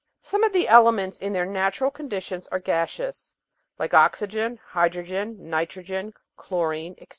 Some of the elements in their natural conditions are gaseous, like oxygen, hydrogen, nitrogen, chlorine, etc.